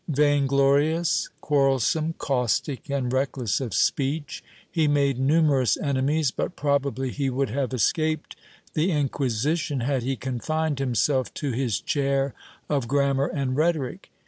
Vainglorious, quarrelsome, caustic and reckless of speech, he made numerous enemies, but probably he would have escaped the Inquisition had he confined himself to his chair of grammar and rhetoric.